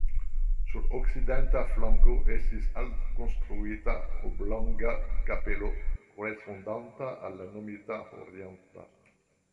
Sur okcidenta flanko estis alkonstruita oblonga kapelo korespondanta al la nomita orienta.